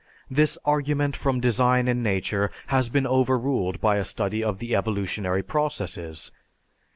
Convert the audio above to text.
This argument from design in nature has been overruled by a study of the evolutionary processes.